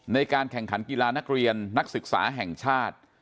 ในการแข่งขันกีฬานักเรียนนักศึกษาแห่งชาติ